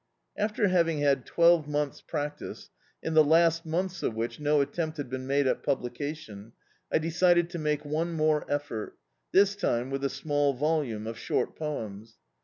After having had twelve months' practice, in the last months of which no attempt had been made at publication, I decided to make one more effort, this time with a small volume of short poems.